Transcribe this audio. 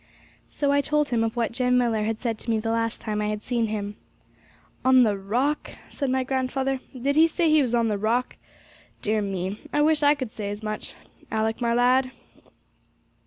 So I told him of what Jem Millar had said to me the last time I had seen him. 'On the Rock!' said my grandfather. Did he say he was on the Rock? Dear me! I wish I could say as much, Alick, my lad.'